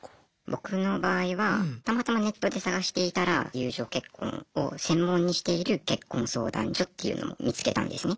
僕の場合はたまたまネットで探していたら友情結婚を専門にしている結婚相談所っていうのを見つけたんですね。